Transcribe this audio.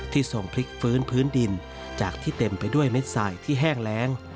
ทรงพลิกฟื้นพื้นดินจากที่เต็มไปด้วยเม็ดสายที่แห้งแรง